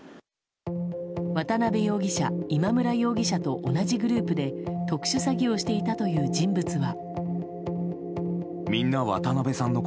渡辺容疑者、今村容疑者と同じグループで特殊詐欺をしていたという人物は。